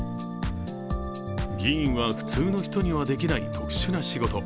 議員は普通の人にはできない特殊な仕事。